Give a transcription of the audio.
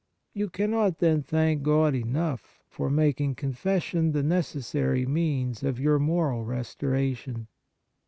You cannot then thank God enough for making con fession the necessary means of your moral restoration.